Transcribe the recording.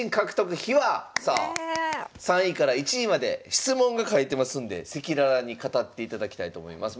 さあ３位から１位まで質問が書いてますんで赤裸々に語っていただきたいと思います。